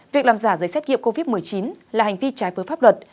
việc làm giả giấy xét nghiệm covid một mươi chín là hành vi trái với pháp luật